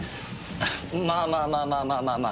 まあまあまあまあまあまあまあ。